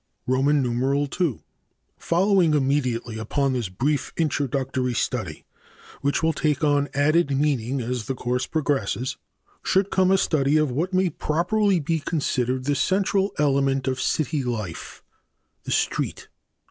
II. Following immediately upon this brief introductory study, which will take on added meaning as the course progresses, should come a study of what may properly be considered the central element of city life the street.